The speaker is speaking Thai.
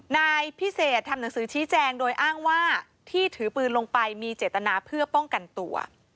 นายพิเศษทำหนังสือชี้แจงโดยอ้างว่าที่ถือปืนลงไปมีเจตนาเพื่อป้องกันตัว